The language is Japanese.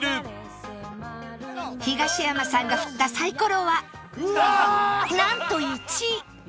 東山さんが振ったサイコロはなんと「１」